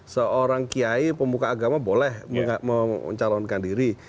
seorang kiai pemuka agama boleh mencalonkan diri